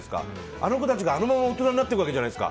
あの子たちがあのまま大人になっていくじゃないですか。